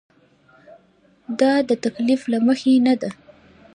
دا د تکلف له مخې نه ده.